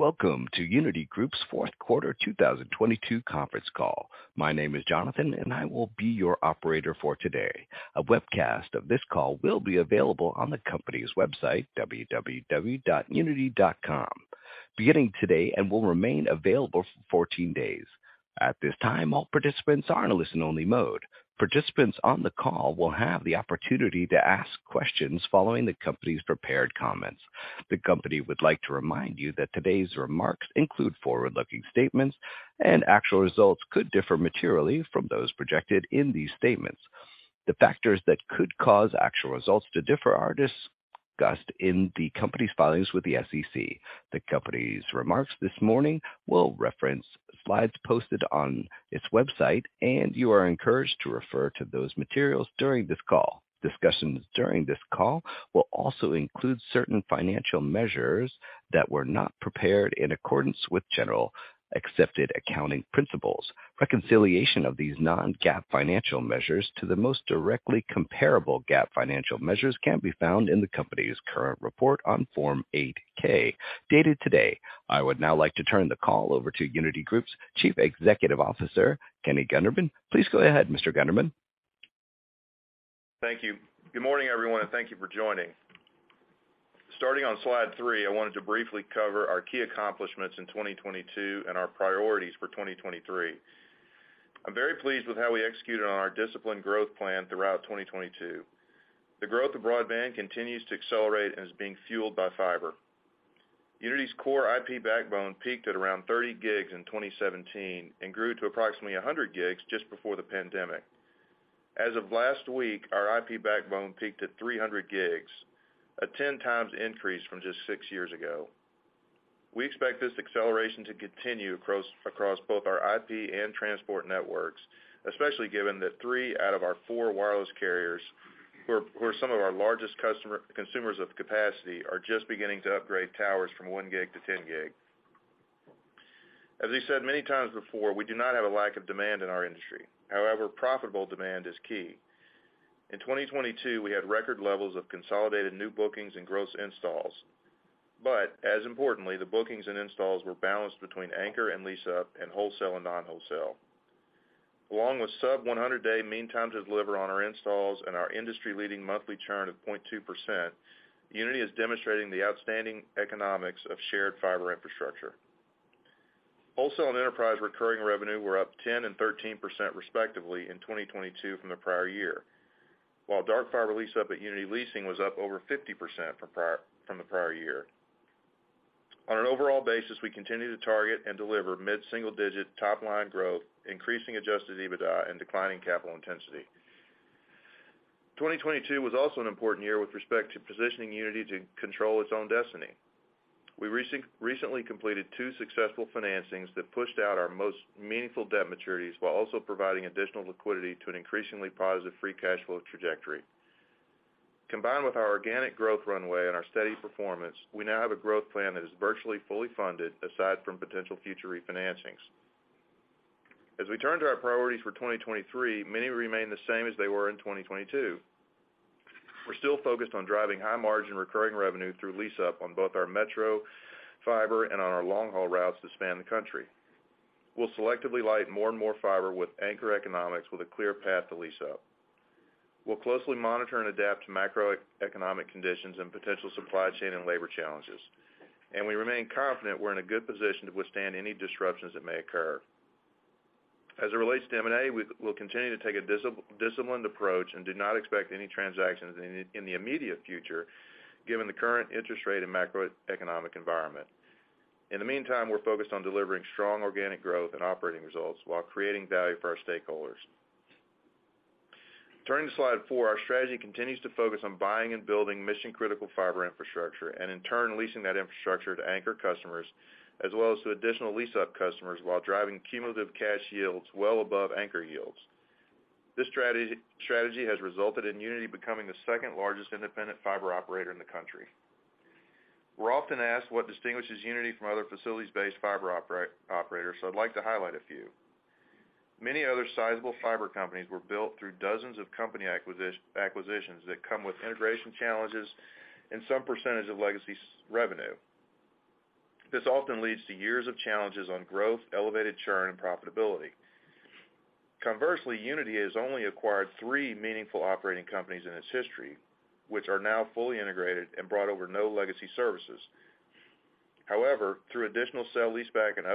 Welcome to Uniti Group's Fourth Quarter 2022 Conference Call. My name is Jonathan, I will be your operator for today. A webcast of this call will be available on the company's website, www.uniti.com, beginning today and will remain available for 14 days. At this time, all participants are in a listen-only mode. Participants on the call will have the opportunity to ask questions following the company's prepared comments. The company would like to remind you that today's remarks include forward-looking statements, actual results could differ materially from those projected in these statements. The factors that could cause actual results to differ are discussed in the company's filings with the SEC. The company's remarks this morning will reference slides posted on its website, you are encouraged to refer to those materials during this call. Discussions during this call will also include certain financial measures that were not prepared in accordance with general accepted accounting principles. Reconciliation of these non-GAAP financial measures to the most directly comparable GAAP financial measures can be found in the company's current report on Form 8-K, dated today. I would now like to turn the call over to Uniti Group's Chief Executive Officer, Kenny Gunderman. Please go ahead, Mr. Gunderman. Thank you. Good morning, everyone, and thank you for joining. Starting on slide 3, I wanted to briefly cover our key accomplishments in 2022 and our priorities for 2023. I'm very pleased with how we executed on our disciplined growth plan throughout 2022. The growth of broadband continues to accelerate and is being fueled by fiber. Uniti's core IP backbone peaked at around 30 gigs in 2017 and grew to approximately 100 gigs just before the pandemic. As of last week, our IP backbone peaked at 300 gigs, a 10 times increase from just 6 years ago. We expect this acceleration to continue across both our IP and transport networks, especially given that three out of our four wireless carriers who are some of our largest consumers of capacity, are just beginning to upgrade towers from 1 gig to 10 gig. As we said many times before, we do not have a lack of demand in our industry. However, profitable demand is key. In 2022, we had record levels of consolidated new bookings and gross installs, as importantly, the bookings and installs were balanced between anchor and lease-up and wholesale and non-wholesale. Along with sub 100-day mean time to deliver on our installs and our industry-leading monthly churn of 0.2%, Uniti is demonstrating the outstanding economics of shared fiber infrastructure. Wholesale and enterprise recurring revenue were up 10% and 13% respectively in 2022 from the prior year, while dark fiber lease-up at Uniti Leasing was up over 50% from the prior year. On an overall basis, we continue to target and deliver mid-single digit top line growth, increasing adjusted EBITDA and declining capital intensity. 2022 was also an important year with respect to positioning Uniti to control its own destiny. We recently completed two successful financings that pushed out our most meaningful debt maturities while also providing additional liquidity to an increasingly positive free cash flow trajectory. Combined with our organic growth runway and our steady performance, we now have a growth plan that is virtually fully funded aside from potential future refinancings. As we turn to our priorities for 2023, many remain the same as they were in 2022. We're still focused on driving high margin recurring revenue through lease-up on both our metro fiber and on our long-haul routes to span the country. We'll selectively light more and more fiber with anchor economics with a clear path to lease-up. We'll closely monitor and adapt to macroeconomic conditions and potential supply chain and labor challenges. We remain confident we're in a good position to withstand any disruptions that may occur. As it relates to M&A, we'll continue to take a disciplined approach and do not expect any transactions in the immediate future given the current interest rate and macroeconomic environment. In the meantime, we're focused on delivering strong organic growth and operating results while creating value for our stakeholders. Turning to slide four, our strategy continues to focus on buying and building mission-critical fiber infrastructure and in turn leasing that infrastructure to anchor customers as well as to additional lease-up customers while driving cumulative cash yields well above anchor yields. This strategy has resulted in Uniti becoming the second-largest independent fiber operator in the country. We're often asked what distinguishes Uniti from other facilities-based fiber operators, so I'd like to highlight a few. Many other sizable fiber companies were built through dozens of company acquisitions that come with integration challenges and some percentage of legacy revenue. This often leads to years of challenges on growth, elevated churn, and profitability. Conversely, Uniti has only acquired three meaningful operating companies in its history, which are now fully integrated and brought over no legacy services. Through additional sale leaseback and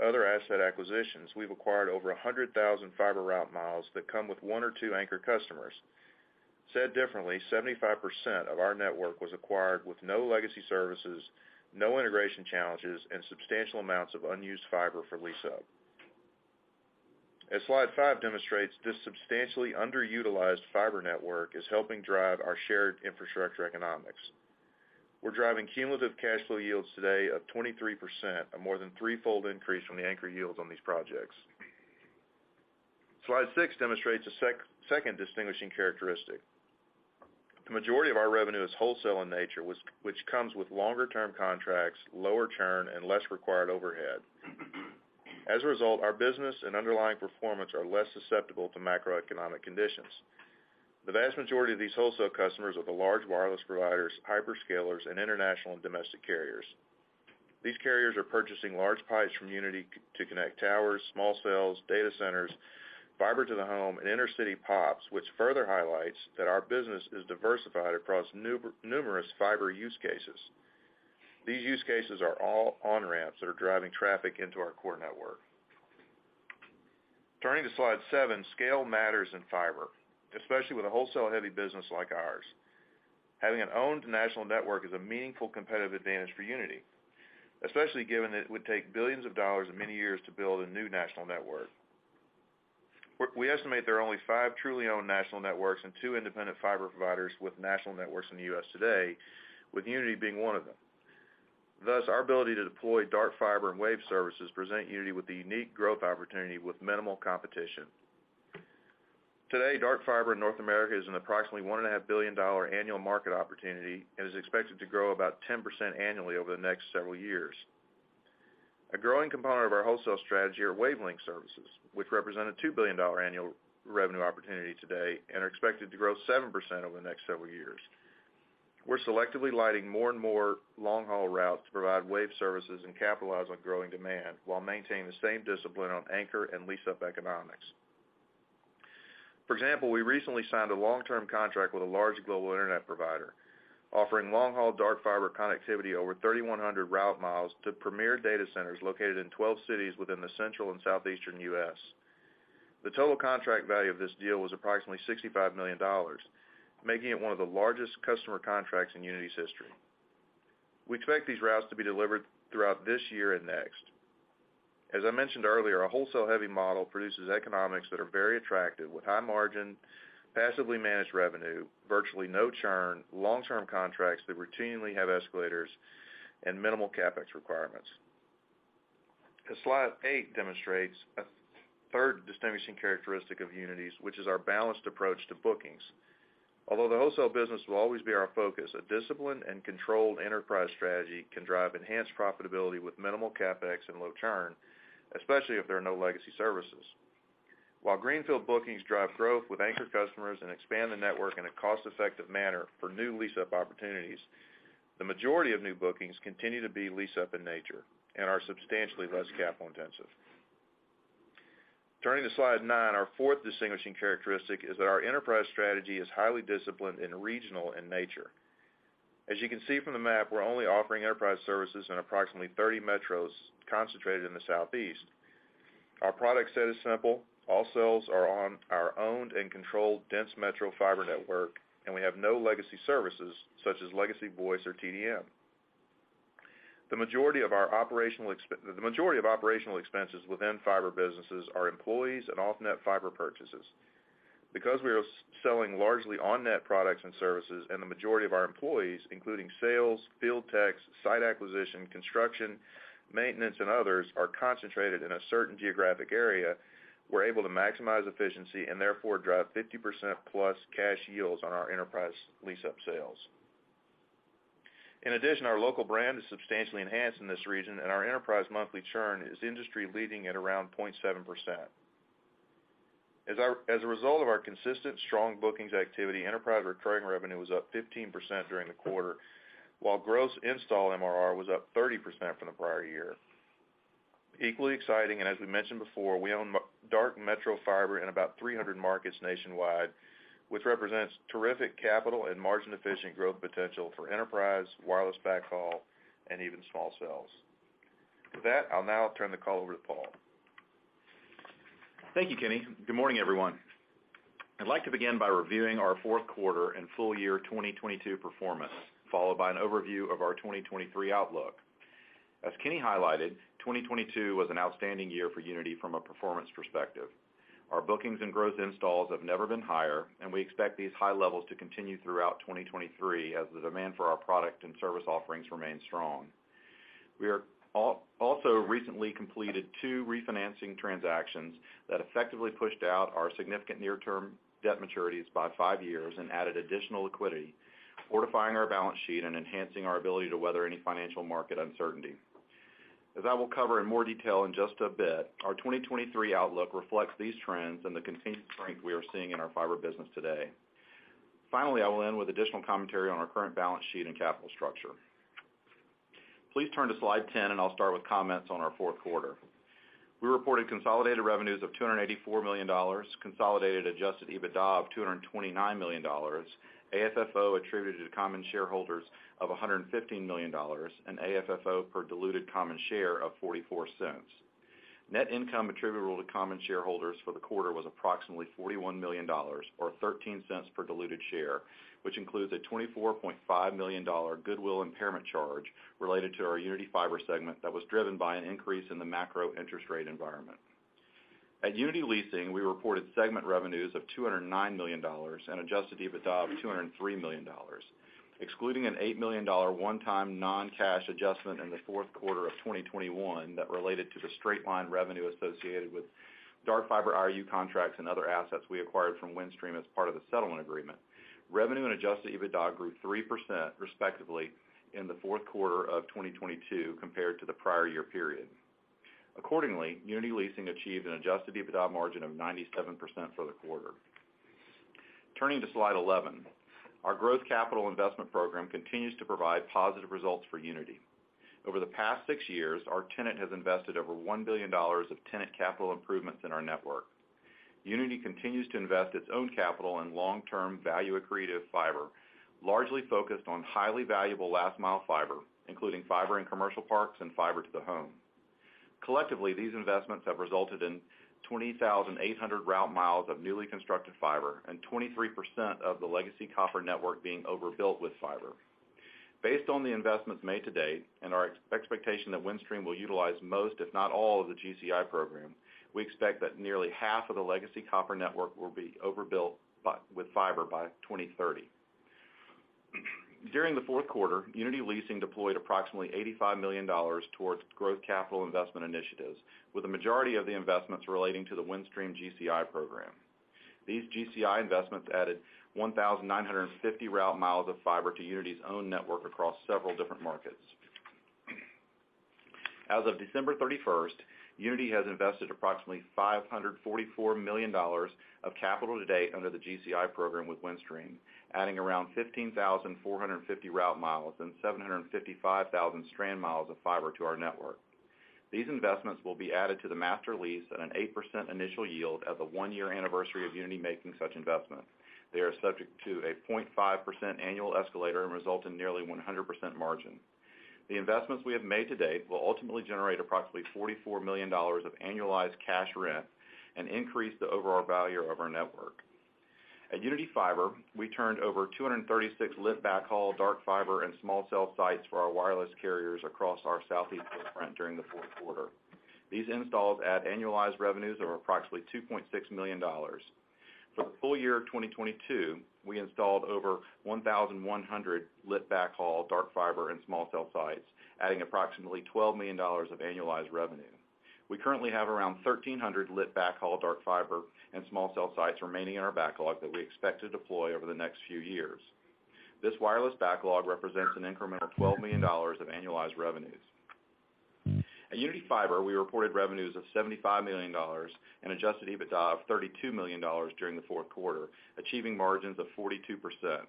other asset acquisitions, we've acquired over 100,000 fiber route miles that come with one or two anchor customers. Said differently, 75% of our network was acquired with no legacy services, no integration challenges, and substantial amounts of unused fiber for lease-up. As slide 5 demonstrates, this substantially underutilized fiber network is helping drive our shared infrastructure economics. We're driving cumulative cash flow yields today of 23%, a more than threefold increase from the anchor yields on these projects. Slide 6 demonstrates a second distinguishing characteristic. The majority of our revenue is wholesale in nature, which comes with longer term contracts, lower churn, and less required overhead. As a result, our business and underlying performance are less susceptible to macroeconomic conditions. The vast majority of these wholesale customers are the large wireless providers, hyperscalers, and international and domestic carriers. These carriers are purchasing large pipes from Uniti to connect towers, small cells, data centers, fiber to the home, and inter-city POPs, which further highlights that our business is diversified across numerous fiber use cases. These use cases are all on-ramps that are driving traffic into our core network. Turning to slide 7, scale matters in fiber, especially with a wholesale-heavy business like ours. Having an owned national network is a meaningful competitive advantage for Uniti, especially given that it would take billions of dollars and many years to build a new national network. We estimate there are only 5 truly owned national networks and 2 independent fiber providers with national networks in the U.S. today, with Uniti being one of them. Our ability to deploy dark fiber and wave services present Uniti with a unique growth opportunity with minimal competition. Today, dark fiber in North America is an approximately $1.5 billion annual market opportunity, and is expected to grow about 10% annually over the next several years. A growing component of our wholesale strategy are wavelength services, which represent a $2 billion annual revenue opportunity today and are expected to grow 7% over the next several years. We're selectively lighting more and more long-haul routes to provide wave services and capitalize on growing demand while maintaining the same discipline on anchor and lease-up economics. For example, we recently signed a long-term contract with a large global internet provider, offering long-haul dark fiber connectivity over 3,100 route miles to premier data centers located in 12 cities within the Central and Southeastern U.S. The total contract value of this deal was approximately $65 million, making it one of the largest customer contracts in Uniti's history. We expect these routes to be delivered throughout this year and next. As I mentioned earlier, our wholesale-heavy model produces economics that are very attractive, with high margin, passively managed revenue, virtually no churn, long-term contracts that routinely have escalators, and minimal CapEx requirements. As slide 8 demonstrates, a third distinguishing characteristic of Uniti's, which is our balanced approach to bookings. Although the wholesale business will always be our focus, a disciplined and controlled enterprise strategy can drive enhanced profitability with minimal CapEx and low churn, especially if there are no legacy services. While greenfield bookings drive growth with anchor customers and expand the network in a cost-effective manner for new lease-up opportunities, the majority of new bookings continue to be lease-up in nature and are substantially less capital intensive. Turning to slide 9, our fourth distinguishing characteristic is that our enterprise strategy is highly disciplined and regional in nature. As you can see from the map, we're only offering enterprise services in approximately 30 metros concentrated in the Southeast. Our product set is simple. All cells are on our owned and controlled dense metro fiber network, and we have no legacy services, such as legacy voice or TDM. The majority of operational expenses within fiber businesses are employees and off-net fiber purchases. Because we are selling largely on-net products and services, and the majority of our employees, including sales, field techs, site acquisition, construction, maintenance, and others, are concentrated in a certain geographic area, we're able to maximize efficiency and therefore drive 50% plus cash yields on our enterprise lease-up sales. In addition, our local brand is substantially enhanced in this region, and our enterprise monthly churn is industry leading at around 0.7%. As a result of our consistent strong bookings activity, enterprise recurring revenue was up 15% during the quarter, while gross install MRR was up 30% from the prior year. Equally exciting, as we mentioned before, we own dark metro fiber in about 300 markets nationwide, which represents terrific capital and margin-efficient growth potential for enterprise, wireless backhaul, and even small cells. With that, I'll now turn the call over to Paul. Thank you, Kenny. Good morning, everyone. I'd like to begin by reviewing our fourth quarter and full year 2022 performance, followed by an overview of our 2023 outlook. As Kenny highlighted, 2022 was an outstanding year for Uniti from a performance perspective. Our bookings and gross installs have never been higher, and we expect these high levels to continue throughout 2023 as the demand for our product and service offerings remain strong. We also recently completed two refinancing transactions that effectively pushed out our significant near-term debt maturities by 5 years and added additional liquidity, fortifying our balance sheet and enhancing our ability to weather any financial market uncertainty. As I will cover in more detail in just a bit, our 2023 outlook reflects these trends and the continued strength we are seeing in our Fiber business today. Finally, I will end with additional commentary on our current balance sheet and capital structure. Please turn to slide 10. I'll start with comments on our fourth quarter. We reported consolidated revenues of $284 million, consolidated adjusted EBITDA of $229 million, AFFO attributed to common shareholders of $115 million, and AFFO per diluted common share of $0.44. Net income attributable to common shareholders for the quarter was approximately $41 million or $0.13 per diluted share, which includes a $24.5 million goodwill impairment charge related to our Uniti Fiber segment that was driven by an increase in the macro interest rate environment. At Uniti Leasing, we reported segment revenues of $209 million and adjusted EBITDA of $203 million, excluding an $8 million one-time non-cash adjustment in the fourth quarter of 2021 that related to the straight-line revenue associated with dark fiber IRU contracts and other assets we acquired from Windstream as part of the settlement agreement. Revenue and adjusted EBITDA grew 3% respectively in the fourth quarter of 2022 compared to the prior year period. Accordingly, Uniti Leasing achieved an adjusted EBITDA margin of 97% for the quarter. Turning to slide 11. Our growth capital investment program continues to provide positive results for Uniti. Over the past 6 years, our tenant has invested over $1 billion of tenant capital improvements in our network. Uniti continues to invest its own capital in long-term value accretive fiber, largely focused on highly valuable last mile fiber, including fiber in commercial parks and fiber to the home. Collectively, these investments have resulted in 20,800 route miles of newly constructed fiber and 23% of the legacy copper network being overbuilt with fiber. Based on the investments made to date and our expectation that Windstream will utilize most, if not all, of the GCI program, we expect that nearly half of the legacy copper network will be overbuilt with fiber by 2030. During the fourth quarter, Uniti Leasing deployed approximately $85 million towards growth capital investment initiatives, with the majority of the investments relating to the Windstream GCI program. These GCI investments added 1,950 route miles of fiber to Uniti's own network across several different markets. As of December 31st, Uniti has invested approximately $544 million of capital to date under the GCI program with Windstream, adding around 15,450 route miles and 755,000 strand miles of fiber to our network. These investments will be added to the Master Lease at an 8% initial yield at the 1-year anniversary of Uniti making such investments. They are subject to a 0.5% annual escalator and result in nearly 100% margin. The investments we have made to date will ultimately generate approximately $44 million of annualized cash rent and increase the overall value of our network. At Uniti Fiber, we turned over 236 lit backhaul dark fiber and small cell sites for our wireless carriers across our Southeast footprint during the fourth quarter. These installs add annualized revenues of approximately $2.6 million. For the full year of 2022, we installed over 1,100 lit backhaul dark fiber and small cell sites, adding approximately $12 million of annualized revenue. We currently have around 1,300 lit backhaul dark fiber and small cell sites remaining in our backlog that we expect to deploy over the next few years. This wireless backlog represents an increment of $12 million of annualized revenues. At Uniti Fiber, we reported revenues of $75 million and adjusted EBITDA of $32 million during the fourth quarter, achieving margins of 42%.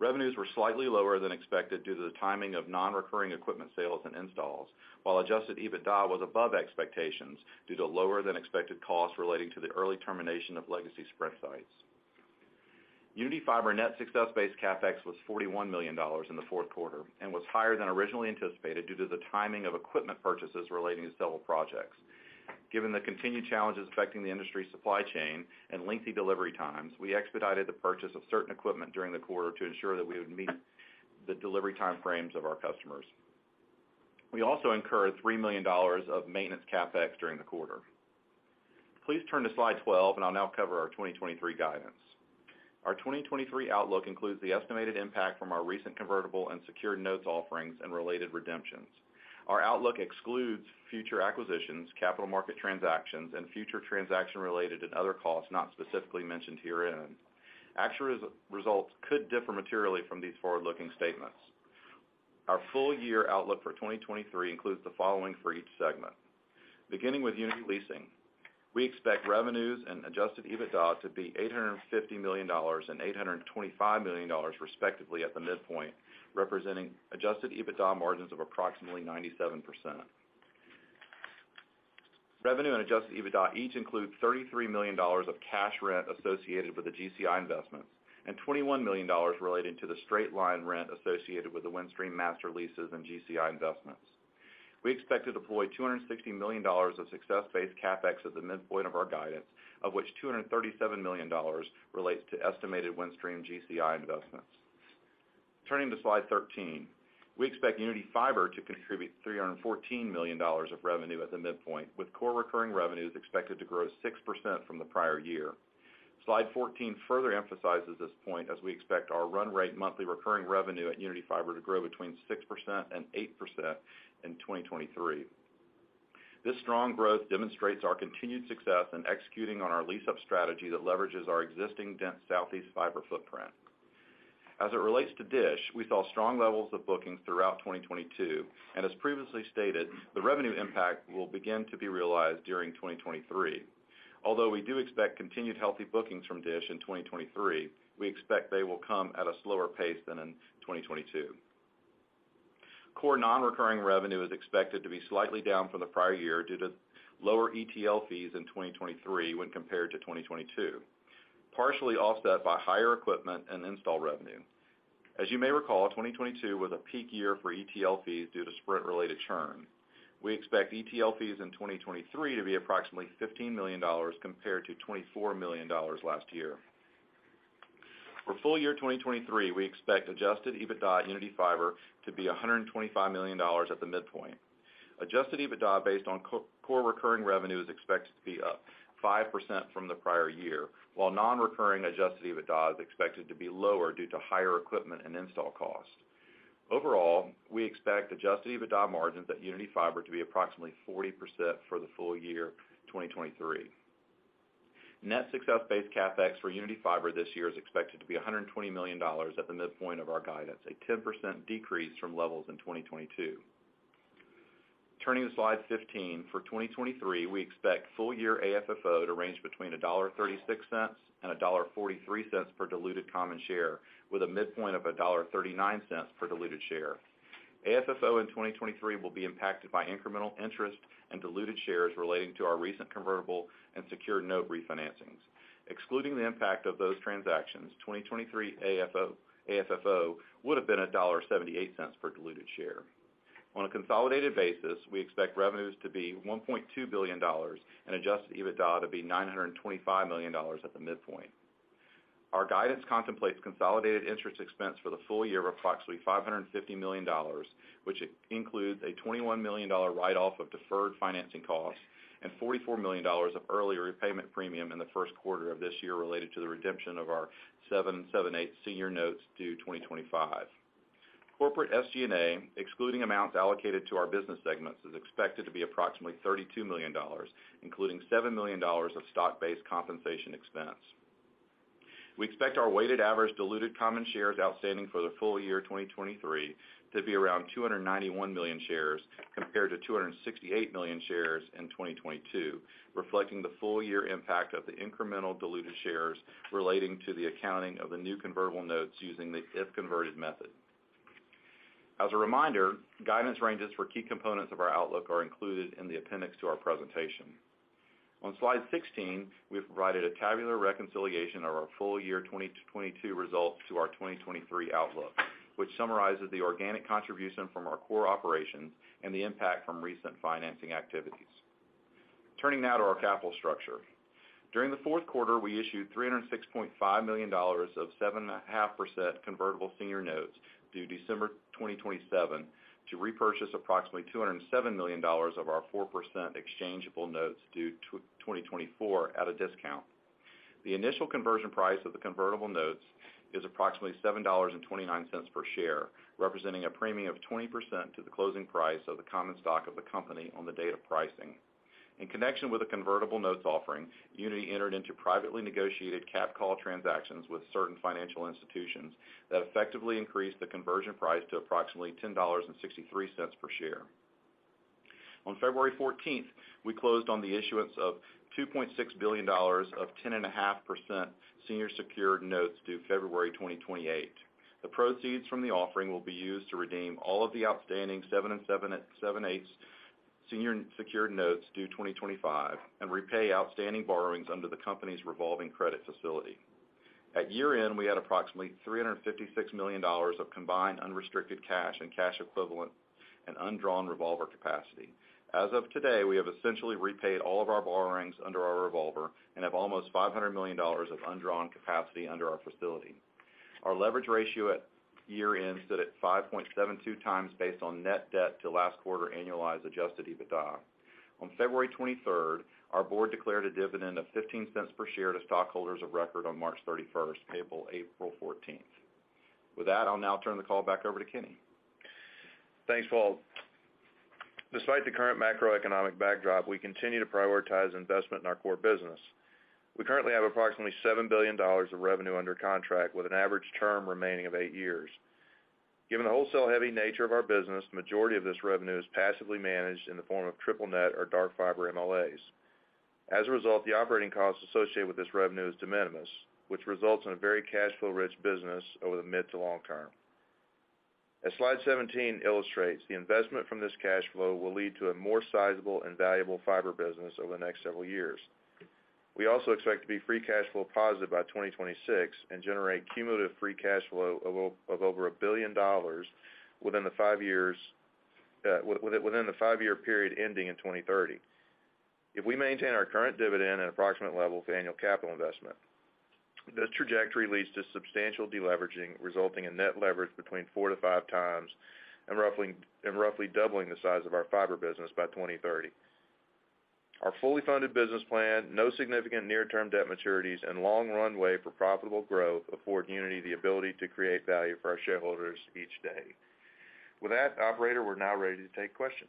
Revenues were slightly lower than expected due to the timing of non-recurring equipment sales and installs, while adjusted EBITDA was above expectations due to lower than expected costs relating to the early termination of legacy Sprint sites. Uniti Fiber net success-based CapEx was $41 million in the fourth quarter and was higher than originally anticipated due to the timing of equipment purchases relating to several projects. Given the continued challenges affecting the industry supply chain and lengthy delivery times, we expedited the purchase of certain equipment during the quarter to ensure that we would meet the delivery time frames of our customers. We also incurred $3 million of maintenance CapEx during the quarter. Please turn to slide 12. I'll now cover our 2023 guidance. Our 2023 outlook includes the estimated impact from our recent Convertible and Secured notes offerings and related redemptions. Our outlook excludes future acquisitions, capital market transactions, and future transaction-related and other costs not specifically mentioned herein. Actual results could differ materially from these forward-looking statements. Our full year outlook for 2023 includes the following for each segment. Beginning with Uniti Leasing, we expect revenues and adjusted EBITDA to be $850 million and $825 million respectively at the midpoint, representing adjusted EBITDA margins of approximately 97%. Revenue and adjusted EBITDA each include $33 million of cash rent associated with the GCI investments and $21 million relating to the straight-line rent associated with the Windstream Master Leases and GCI investments. We expect to deploy $260 million of success-based CapEx at the midpoint of our guidance, of which $237 million relates to estimated Windstream GCI investments. Turning to slide 13. We expect Uniti Fiber to contribute $314 million of revenue at the midpoint, with core recurring revenues expected to grow 6% from the prior year. Slide 14 further emphasizes this point as we expect our run rate monthly recurring revenue at Uniti Fiber to grow between 6% and 8% in 2023. This strong growth demonstrates our continued success in executing on our lease-up strategy that leverages our existing dense Southeast fiber footprint. As it relates to DISH, we saw strong levels of bookings throughout 2022, as previously stated, the revenue impact will begin to be realized during 2023. We do expect continued healthy bookings from DISH in 2023, we expect they will come at a slower pace than in 2022. Core non-recurring revenue is expected to be slightly down from the prior year due to lower ETL fees in 2023 when compared to 2022, partially offset by higher equipment and install revenue. As you may recall, 2022 was a peak year for ETL fees due to Sprint-related churn. We expect ETL fees in 2023 to be approximately $15 million compared to $24 million last year. For full year 2023, we expect adjusted EBITDA at Uniti Fiber to be $125 million at the midpoint. Adjusted EBITDA based on core recurring revenue is expected to be up 5% from the prior year, while non-recurring adjusted EBITDA is expected to be lower due to higher equipment and install costs. Overall, we expect adjusted EBITDA margins at Uniti Fiber to be approximately 40% for the full year 2023. Net success-based CapEx for Uniti Fiber this year is expected to be $120 million at the midpoint of our guidance, a 10% decrease from levels in 2022. Turning to slide 15, for 2023, we expect full year AFFO to range between $1.36 and $1.43 per diluted common share with a midpoint of $1.39 per diluted share. AFFO in 2023 will be impacted by incremental interest and diluted shares relating to our recent convertible and secured note refinancings. Excluding the impact of those transactions, 2023 AFFO would have been $1.78 per diluted share. On a consolidated basis, we expect revenues to be $1.2 billion and adjusted EBITDA to be $925 million at the midpoint. Our guidance contemplates consolidated interest expense for the full year of approximately $550 million, which includes a $21 million write-off of deferred financing costs and $44 million of earlier repayment premium in the first quarter of this year related to the redemption of our 7 7/8 senior notes due 2025. Corporate SG&A, excluding amounts allocated to our business segments, is expected to be approximately $32 million, including $7 million of stock-based compensation expense. We expect our weighted average diluted common shares outstanding for the full year 2023 to be around 291 million shares compared to 268 million shares in 2022, reflecting the full year impact of the incremental diluted shares relating to the accounting of the new convertible notes using the if-converted method. As a reminder, guidance ranges for key components of our outlook are included in the appendix to our presentation. On slide 16, we have provided a tabular reconciliation of our full year 2022 results to our 2023 outlook, which summarizes the organic contribution from our core operations and the impact from recent financing activities. Turning now to our capital structure. During the fourth quarter, we issued $306.5 million of 7.5% convertible senior notes due December 2027 to repurchase approximately $207 million of our 4% exchangeable notes due 2024 at a discount. The initial conversion price of the convertible notes is approximately $7.29 per share, representing a premium of 20% to the closing price of the common stock of the company on the date of pricing. In connection with the convertible notes offering, Uniti entered into privately negotiated capped call transactions with certain financial institutions that effectively increased the conversion price to approximately $10.63 per share. On February 14th, we closed on the issuance of $2.6 billion of 10.5% senior secured notes due February 2028. The proceeds from the offering will be used to redeem all of the outstanding 7 and 7/8 senior secured notes due 2025 and repay outstanding borrowings under the company's revolving credit facility. At year-end, we had approximately $356 million of combined unrestricted cash and cash equivalents and undrawn revolver capacity. As of today, we have essentially repaid all of our borrowings under our revolver and have almost $500 million of undrawn capacity under our facility. Our leverage ratio at year-end stood at 5.72 times based on net debt to last quarter annualized Adjusted EBITDA. On February 23rd, our board declared a dividend of $0.15 per share to stockholders of record on April 14th. With that, I'll now turn the call back over to Kenny. Thanks, Paul. Despite the current macroeconomic backdrop, we continue to prioritize investment in our core business. We currently have approximately $7 billion of revenue under contract with an average term remaining of eight years. Given the wholesale heavy nature of our business, the majority of this revenue is passively managed in the form of triple net or dark fiber MLAs. As a result, the operating costs associated with this revenue is de minimis, which results in a very cash flow rich business over the mid to long term. As slide 17 illustrates, the investment from this cash flow will lead to a more sizable and valuable Fiber business over the next several years. We also expect to be free cash flow positive by 2026 and generate cumulative free cash flow of over $1 billion within the five years, within the five-year period ending in 2030. If we maintain our current dividend at approximate levels of annual capital investment, this trajectory leads to substantial deleveraging, resulting in net leverage between 4 to 5 times and roughly doubling the size of our Fiber business by 2030. Our fully funded business plan, no significant near-term debt maturities, and long runway for profitable growth afford Uniti the ability to create value for our shareholders each day. With that, operator, we're now ready to take questions.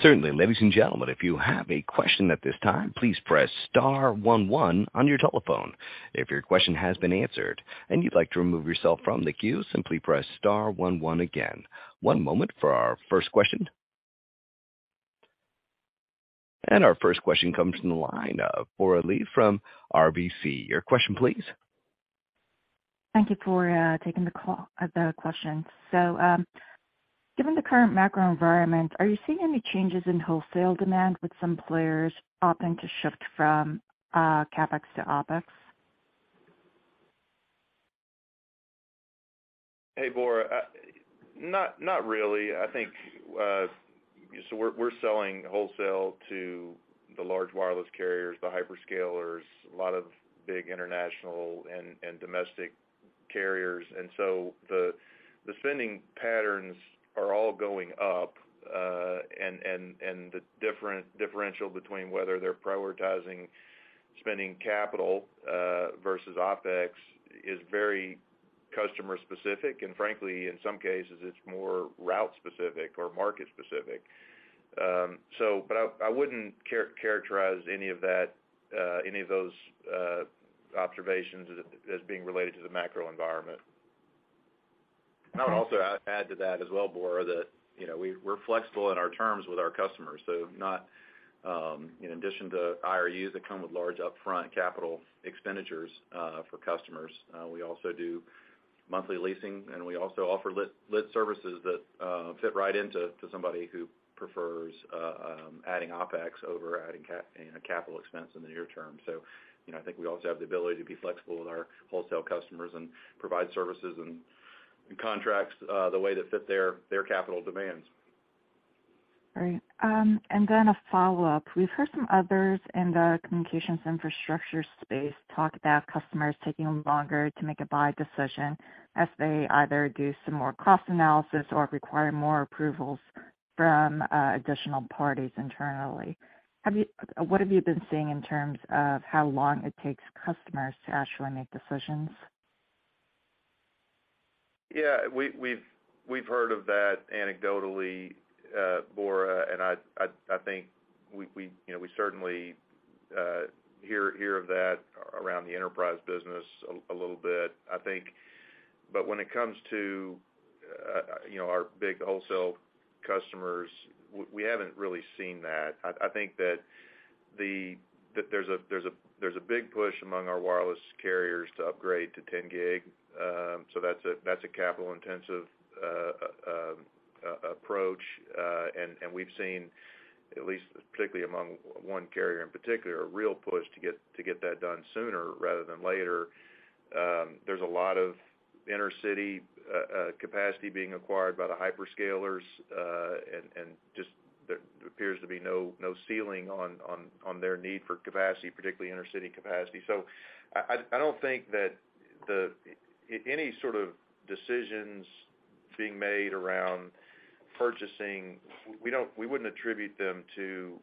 Certainly. Ladies and gentlemen, if you have a question at this time, please press star one one on your telephone. If your question has been answered and you'd like to remove yourself from the queue, simply press star one one again. One moment for our first question. Our first question comes from the line of Bora Lee from RBC. Your question, please. Thank you for taking the call, the question. Given the current macro environment, are you seeing any changes in wholesale demand with some players opting to shift from CapEx to OpEx? Hey, Bora. Not really. I think we're selling wholesale to the large wireless carriers, the hyperscalers, a lot of big international and domestic carriers. The spending patterns are all going up. The differential between whether they're prioritizing spending capital versus OpEx is very customer specific, and frankly, in some cases, it's more route specific or market specific. I wouldn't characterize any of that, any of those observations as being related to the macro environment. I would also add to that as well, Bora, that, you know, we're flexible in our terms with our customers. Not, in addition to IRUs that come with large upfront capital expenditures for customers, we also do monthly leasing, and we also offer lit services that fit right into somebody who prefers adding OpEx over adding capital expense in the near term. You know, I think we also have the ability to be flexible with our wholesale customers and provide services and contracts the way that fit their capital demands. Great. Then a follow-up. We've heard some others in the communications infrastructure space talk about customers taking longer to make a buy decision as they either do some more cost analysis or require more approvals from additional parties internally. What have you been seeing in terms of how long it takes customers to actually make decisions? Yeah. We've heard of that anecdotally, Bora, and I think we, you know, we certainly hear of that around the enterprise business a little bit. When it comes to, you know, our big wholesale customers, we haven't really seen that. I think that there's a big push among our wireless carriers to upgrade to 10 gig. That's a capital-intensive approach, and we've seen at least particularly among one carrier in particular, a real push to get that done sooner rather than later. There's a lot of inter-city capacity being acquired by the hyperscalers, and just there appears to be no ceiling on their need for capacity, particularly inter-city capacity. I don't think that any sort of decisions being made around purchasing, we wouldn't attribute them to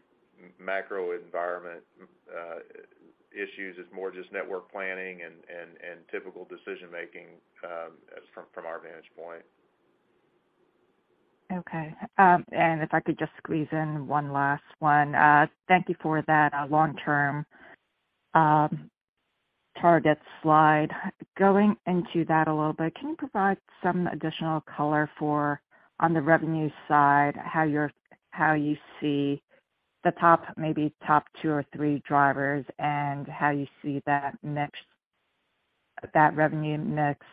macro environment issues. It's more just network planning and typical decision-making as from our vantage point. Okay. If I could just squeeze in one last one. Thank you for that long term target slide. Going into that a little bit, can you provide some additional color for, on the revenue side, how you see the top, maybe top two or three drivers and how you see that mix, that revenue mix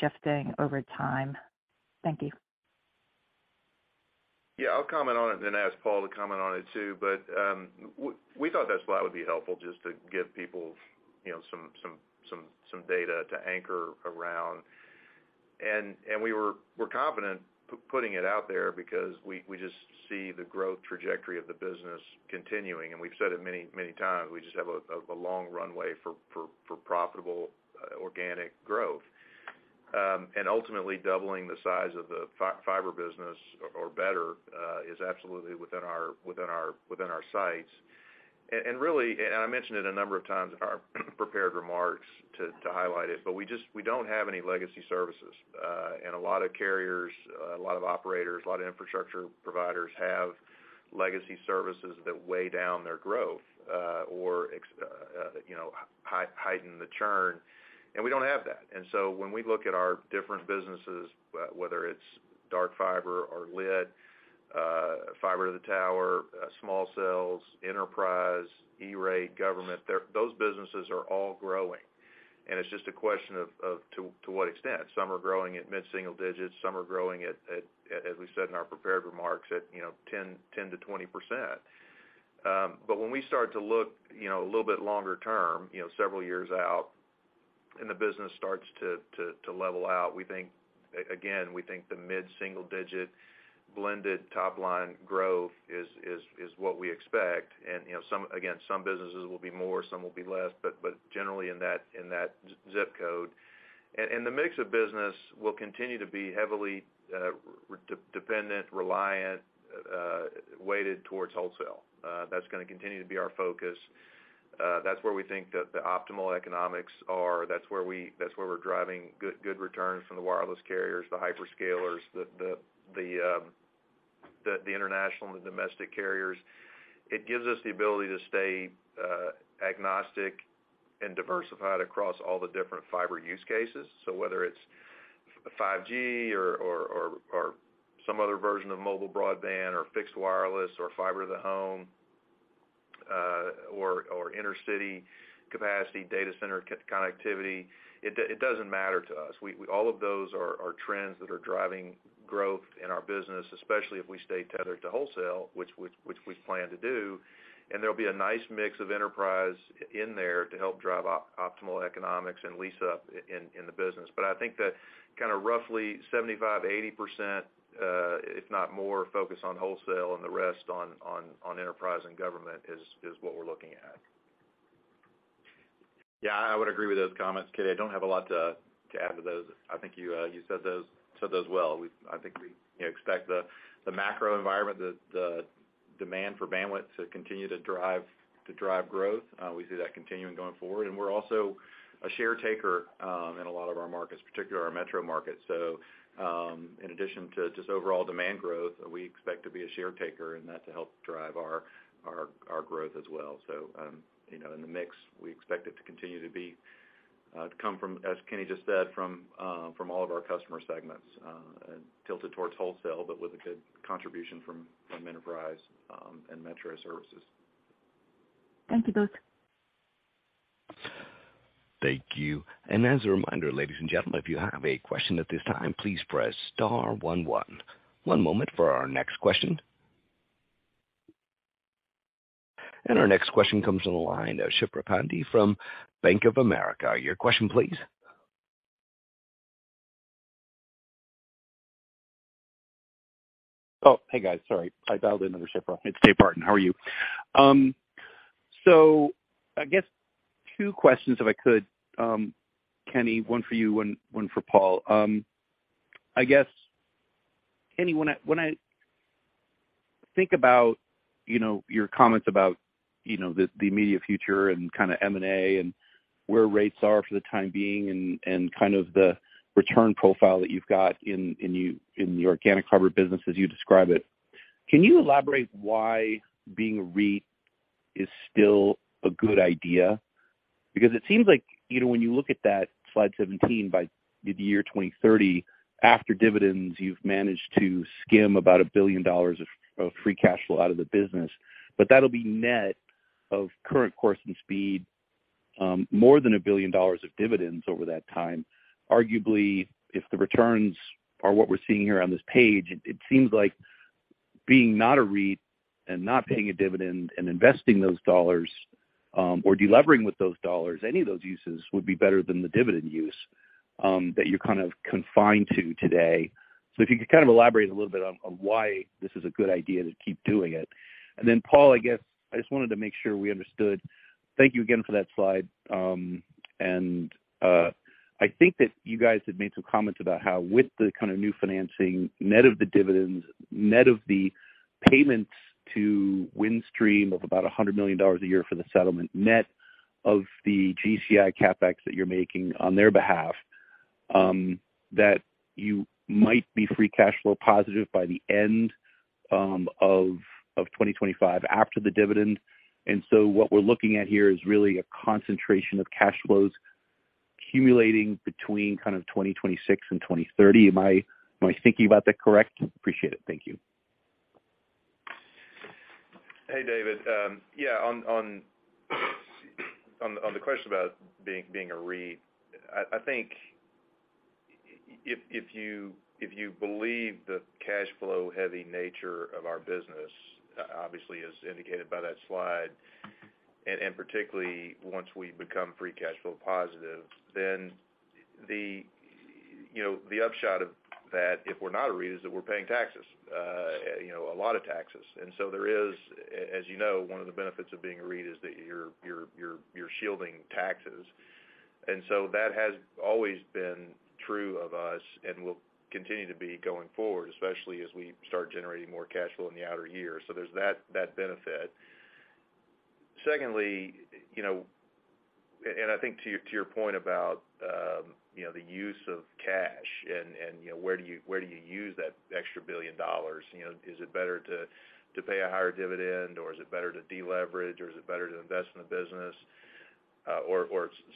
shifting over time? Thank you. I'll comment on it and then ask Paul to comment on it too. We thought that slide would be helpful just to give people, you know, some data to anchor around. We were confident putting it out there because we just see the growth trajectory of the business continuing, and we've said it many, many times, we just have a long runway for profitable organic growth. Ultimately doubling the size of the Fiber business or better, is absolutely within our sights. Really, I mentioned it a number of times in our prepared remarks to highlight it, but we just, we don't have any legacy services. A lot of carriers, a lot of operators, a lot of infrastructure providers have legacy services that weigh down their growth, or you know, heighten the churn, and we don't have that. When we look at our different businesses, whether it's dark fiber or lit, fiber to the tower, small cells, enterprise, E-Rate, government, those businesses are all growing, and it's just a question of to what extent. Some are growing at mid-single digits, some are growing at, as we said in our prepared remarks, at, you know, 10-20%. But when we start to look, you know, a little bit longer term, you know, several years out, and the business starts to level out, we think again, we think the mid-single digit blended top line growth is what we expect. You know, some, again, some businesses will be more, some will be less, but generally in that ZIP Code. The mix of business will continue to be heavily dependent, reliant, weighted towards wholesale. That's gonna continue to be our focus. That's where we think the optimal economics are. That's where we're driving good returns from the wireless carriers, the hyperscalers, the international and the domestic carriers. It gives us the ability to stay agnostic and diversified across all the different fiber use cases. Whether it's 5G or some other version of mobile broadband or fixed wireless or fiber to the home, or inter-city capacity data center connectivity, it doesn't matter to us. We all of those are trends that are driving growth in our business, especially if we stay tethered to wholesale, which we plan to do. There'll be a nice mix of enterprise in there to help drive optimal economics and lease up in the business. I think that kinda roughly 75%-80%, if not more, focus on wholesale and the rest on enterprise and government is what we're looking at. I would agree with those comments, Kenny. I don't have a lot to add to those. I think you said those well. I think we, you know, expect the macro environment, the demand for bandwidth to continue to drive growth. We see that continuing going forward, we're also a share taker in a lot of our markets, particularly our metro markets. In addition to just overall demand growth, we expect to be a share taker and that to help drive our growth as well. You know, in the mix, we expect it to continue to be to come from, as Kenny just said, from all of our customer segments, tilted towards wholesale, but with a good contribution from enterprise and metro services. Thank you both. Thank you. As a reminder, ladies and gentlemen, if you have a question at this time, please press star one one. One moment for our next question. Our next question comes on the line, Shipra Pandey from Bank of America. Your question, please. Hey, guys, sorry. I dialed in under Shipra. It's David Barden. How are you? I guess two questions, if I could. Kenny, one for you and one for Paul. I guess, Kenny, when I, when I think about, you know, your comments about, you know, the immediate future and kind of M&A and where rates are for the time being and kind of the return profile that you've got in the organic covered business as you describe it, can you elaborate why being a REIT is still a good idea? It seems like, you know, when you look at that slide 17 by the year 2030, after dividends, you've managed to skim about a billion dollars of free cash flow out of the business. That'll be net of current course and speed, more than $1 billion of dividends over that time. Arguably, if the returns are what we're seeing here on this page, it seems like being not a REIT and not paying a dividend and investing those dollars, or delevering with those dollars, any of those uses would be better than the dividend use that you're kind of confined to today. If you could kind of elaborate a little bit on why this is a good idea to keep doing it. Then, Paul, I guess I just wanted to make sure we understood. Thank you again for that slide. I think that you guys had made some comments about how with the kind of new financing, net of the dividends, net of the payments to Windstream of about $100 million a year for the settlement, net of the GCI CapEx that you're making on their behalf, that you might be free cash flow positive by the end of 2025 after the dividend. What we're looking at here is really a concentration of cash flows accumulating between kind of 2026 and 2030. Am I thinking about that correct? Appreciate it. Thank you. Hey, David. Yeah, on the question about being a REIT, I think if you, if you believe the cash flow heavy nature of our business, obviously as indicated by that slide, and particularly once we become free cash flow positive, then the, you know, the upshot of that, if we're not a REIT, is that we're paying taxes, you know, a lot of taxes. There is, as you know, one of the benefits of being a REIT is that you're shielding taxes. That has always been true of us and will continue to be going forward, especially as we start generating more cash flow in the outer years. There's that benefit. Secondly, you know, and I think to your point about, you know, the use of cash and, you know, where do you use that extra $1 billion? You know, is it better to pay a higher dividend, or is it better to deleverage, or is it better to invest in the business, or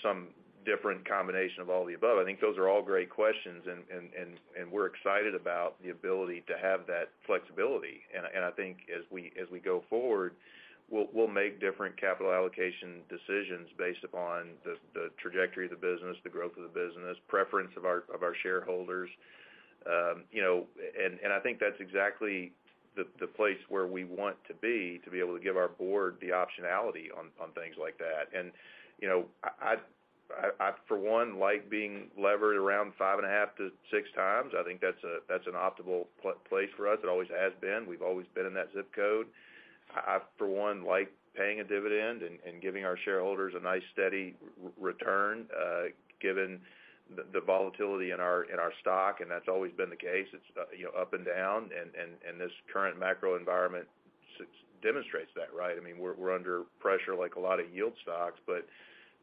some different combination of all the above? I think those are all great questions and we're excited about the ability to have that flexibility. I think as we go forward, we'll make different capital allocation decisions based upon the trajectory of the business, the growth of the business, preference of our shareholders. You know, I think that's exactly the place where we want to be to be able to give our board the optionality on things like that. You know, I for one, like being levered around 5.5 to 6 times. I think that's an optimal place for us. It always has been. We've always been in that ZIP code. I for one, like paying a dividend and giving our shareholders a nice steady return given the volatility in our stock, and that's always been the case. It's, you know, up and down, and this current macro environment demonstrates that, right? I mean, we're under pressure like a lot of yield stocks, but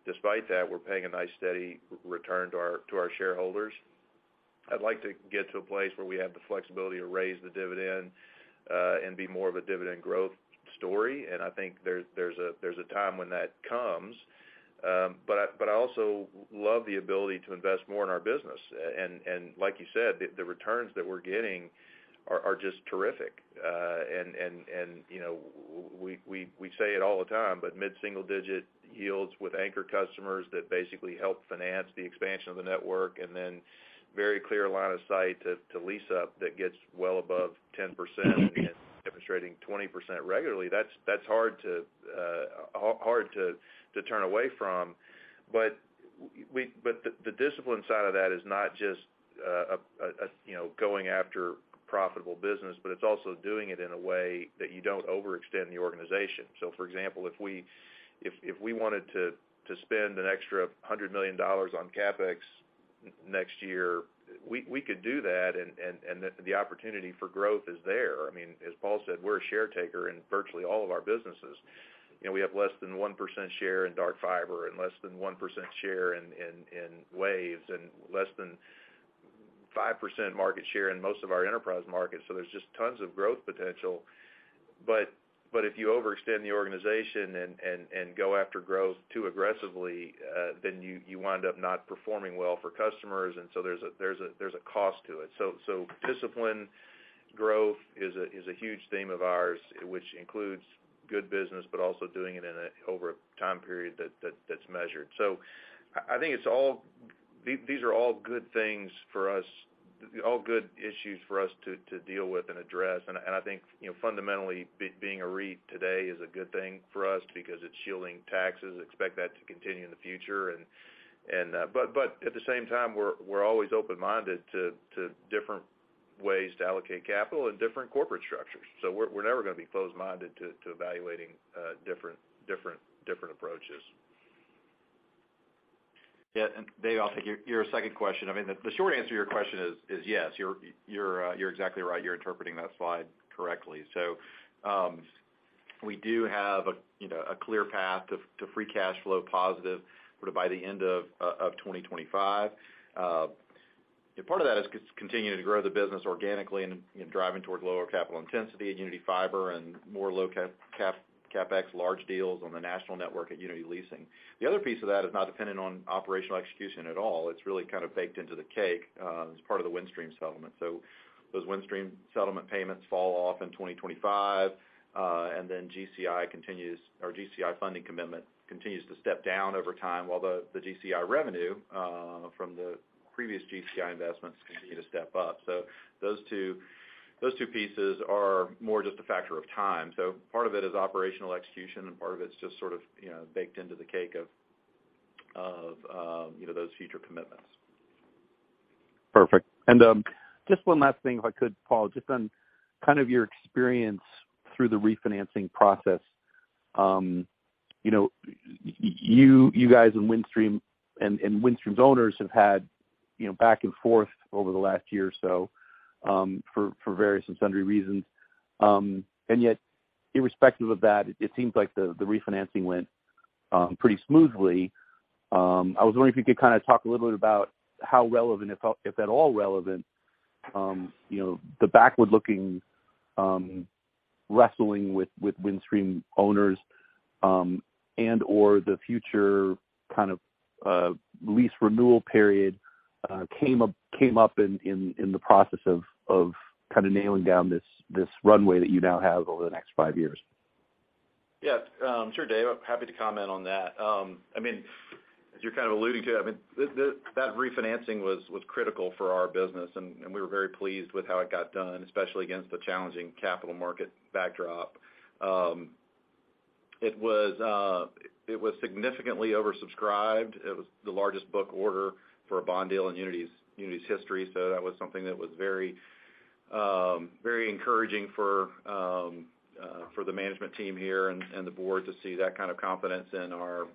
despite that, we're paying a nice steady return to our shareholders. I'd like to get to a place where we have the flexibility to raise the dividend and be more of a dividend growth story. I think there's a time when that comes. I also love the ability to invest more in our business. Like you said, the returns that we're getting are just terrific. You know, we say it all the time, but mid-single digit yields with anchor customers that basically help finance the expansion of the network and then very clear line of sight to lease up that gets well above 10%, demonstrating 20% regularly, that's hard to turn away from. The, the discipline side of that is not just, you know, going after profitable business, but it's also doing it in a way that you don't overextend the organization. For example, if we wanted to spend an extra $100 million on CapEx next year, we could do that and the opportunity for growth is there. I mean, as Paul said, we're a share taker in virtually all of our businesses. You know, we have less than 1% share in dark fiber and less than 1% share in, in waves and less than 5% market share in most of our enterprise markets. There's just tons of growth potential. But if you overextend the organization and go after growth too aggressively, then you wind up not performing well for customers. There's a cost to it. Discipline growth is a huge theme of ours, which includes good business, but also doing it over a time period that's measured. I think these are all good things for us, all good issues for us to deal with and address. I think, you know, fundamentally being a REIT today is a good thing for us because it's shielding taxes. Expect that to continue in the future. But at the same time, we're always open-minded to different ways to allocate capital and different corporate structures. We're never gonna be closed-minded to evaluating different approaches. Yeah. Dave, I'll take your second question. I mean, the short answer to your question is yes. You're exactly right. You're interpreting that slide correctly. We do have a, you know, a clear path to free cash flow positive sort of by the end of 2025. Part of that is continuing to grow the business organically and, you know, driving towards lower capital intensity at Uniti Fiber and more low CapEx large deals on the national network at Uniti Leasing. The other piece of that is not dependent on operational execution at all. It's really kind of baked into the cake as part of the Windstream settlement. Those Windstream settlement payments fall off in 2025, and then GCI funding commitment continues to step down over time while the GCI revenue from the previous GCI investments continue to step up. Those two pieces are more just a factor of time. Part of it is operational execution, and part of it's just sort of, you know, baked into the cake of, you know, those future commitments. Perfect. Just one last thing, if I could, Paul, just on kind of your experience through the refinancing process. You know, you guys in Windstream and Windstream's owners have had, you know, back and forth over the last year or so for various and sundry reasons. Yet irrespective of that, it seems like the refinancing went pretty smoothly. I was wondering if you could kinda talk a little bit about how relevant, if at all relevant, you know, the backward-looking wrestling with Windstream owners, and/or the future kind of lease renewal period came up in the process of nailing down this runway that you now have over the next five years. Sure, Dave. Happy to comment on that. I mean, as you're kind of alluding to, I mean, that refinancing was critical for our business, and we were very pleased with how it got done, especially against the challenging capital market backdrop. It was significantly oversubscribed. It was the largest book order for a bond deal in Uniti's history. That was something that was very, very encouraging for the management team here and the board to see that kind of confidence in our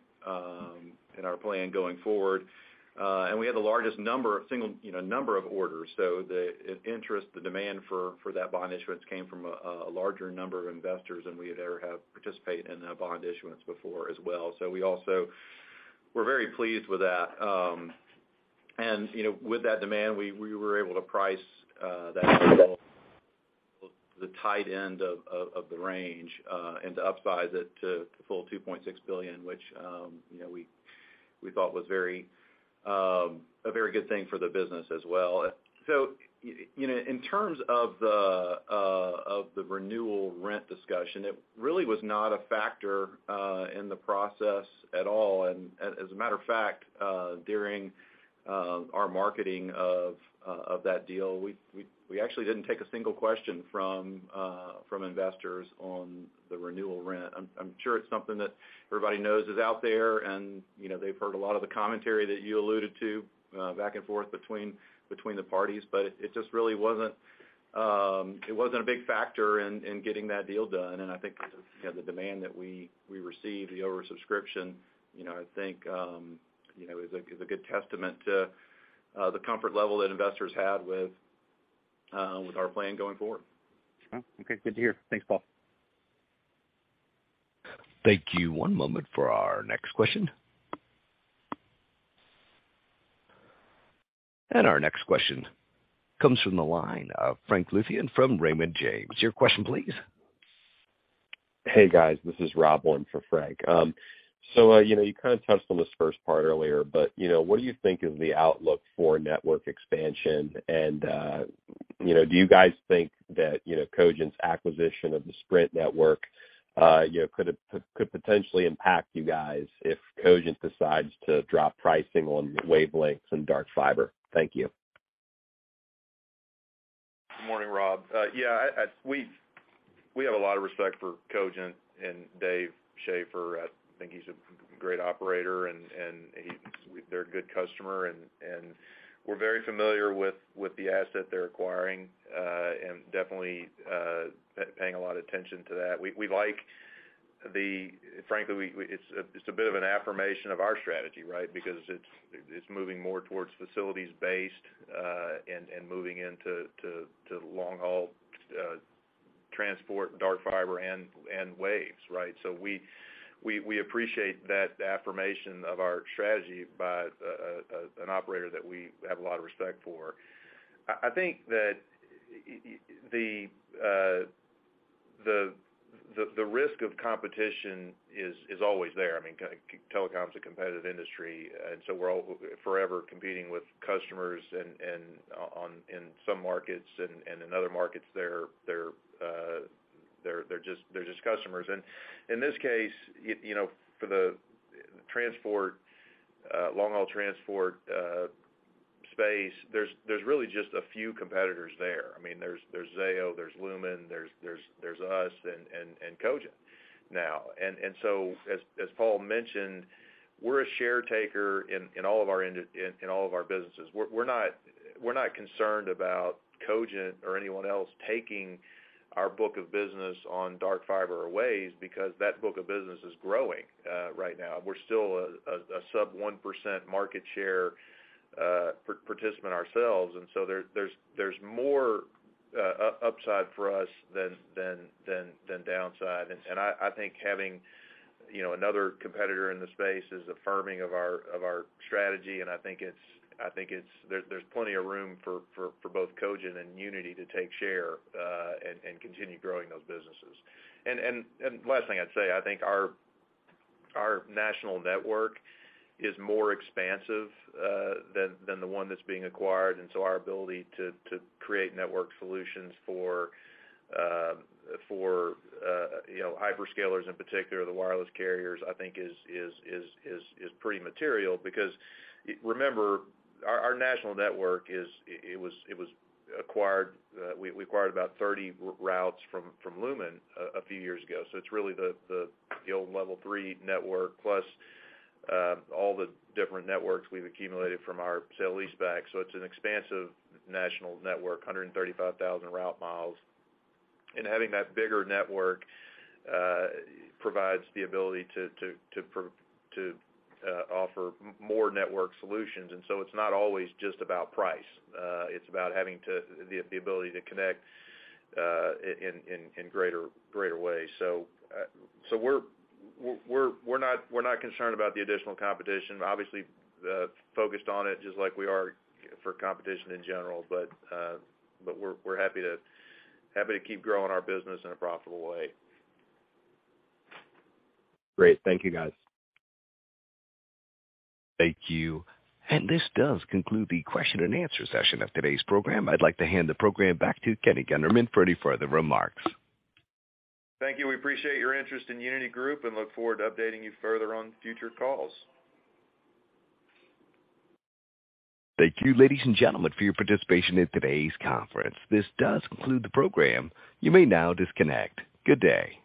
plan going forward. We had the largest number of single, you know, number of orders. The interest, the demand for that bond issuance came from a larger number of investors than we ever have participate in a bond issuance before as well. We also were very pleased with that. You know, with that demand, we were able to price that the tight end of the range and to upsize it to the full $2.6 billion, which, you know, we thought was very a very good thing for the business as well. You know, in terms of the of the renewal rent discussion, it really was not a factor in the process at all. As a matter of fact, during our marketing of that deal, we actually didn't take a single question from investors on the renewal rent. I'm sure it's something that everybody knows is out there and, you know, they've heard a lot of the commentary that you alluded to, back and forth between the parties, but it just really wasn't, it wasn't a big factor in getting that deal done. I think, you know, the demand that we received, the oversubscription, you know, I think, you know, is a good testament to the comfort level that investors had with our plan going forward. Okay. Good to hear. Thanks, Paul. Thank you. One moment for our next question. Our next question comes from the line of Frank Louthan from Raymond James. Your question, please. Hey, guys, this is Rob on for Frank. You know, you kind of touched on this first part earlier, but, you know, what do you think is the outlook for network expansion? You know, do you guys think that, you know, Cogent's acquisition of the Sprint network, you know, could potentially impact you guys if Cogent decides to drop pricing on wavelengths and dark fiber? Thank you. Yeah, I, we have a lot of respect for Cogent and Dave Schaeffer. I think he's a great operator and they're a good customer and we're very familiar with the asset they're acquiring, and definitely, paying a lot of attention to that. Frankly, it's a bit of an affirmation of our strategy, right? Because it's moving more towards facilities based, and moving into long haul, transport, dark fiber and waves, right? We appreciate that affirmation of our strategy by an operator that we have a lot of respect for. I think that the risk of competition is always there. I mean, telecom is a competitive industry, we're all forever competing with customers in some markets and in other markets they're just customers. In this case, you know, for the transport long haul transport space, there's really just a few competitors there. I mean, there's Zayo, there's Lumen, there's us and Cogent now. As Paul mentioned, we're a share taker in all of our businesses. We're not concerned about Cogent or anyone else taking our book of business on dark fiber or waves because that book of business is growing right now. We're still a sub 1% market share participant ourselves. There's more upside for us than downside. I think having, you know, another competitor in the space is affirming of our strategy. I think it's there's plenty of room for both Cogent and Uniti to take share and continue growing those businesses. Last thing I'd say, I think our national network is more expansive than the one that's being acquired. Our ability to create network solutions for, you know, hyperscalers in particular, the wireless carriers, I think is pretty material because remember, our national network is... we acquired about 30 routes from Lumen a few years ago. It's really the old Level 3 Communications network plus all the different networks we've accumulated from our sale leaseback. it's an expansive national network, 135,000 route miles. having that bigger network provides the ability to offer more network solutions. it's not always just about price, it's about having the ability to connect in greater ways. we're not concerned about the additional competition, obviously, focused on it just like we are for competition in general. we're happy to keep growing our business in a profitable way. Great. Thank you guys. Thank you. This does conclude the question and answer session of today's program. I'd like to hand the program back to Kenny Gunderman for any further remarks. Thank you. We appreciate your interest in Uniti Group and look forward to updating you further on future calls. Thank you, ladies and gentlemen, for your participation in today's conference. This does conclude the program. You may now disconnect. Good day.